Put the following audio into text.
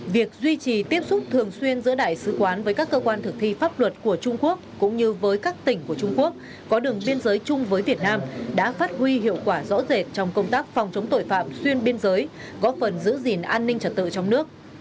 việc duy trì tiếp xúc thường xuyên giữa đại sứ quán với các cơ quan thực thi pháp luật của trung quốc cũng như với các tỉnh của trung quốc có đường biên giới chung với việt nam đã phát huy hiệu quả rõ rệt trong công tác phòng chống tội phạm xuyên biên giới góp phần giữ gìn an ninh trật tự trong nước